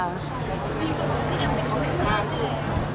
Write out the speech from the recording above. ไม่มีคุณพี่เอ๋อไม่ได้ไปเลยค่ะ